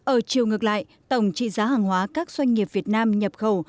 ở chiều ngược lại tổng trị giá hàng hóa các doanh nghiệp việt nam nhập khẩu